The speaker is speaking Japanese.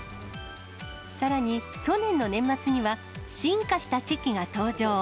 さらに、去年の年末には、進化したチェキが登場。